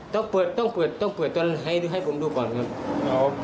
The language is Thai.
ต้องเปิดต้องเปิดต้องเปิดตอนให้ผมดูก่อนครับ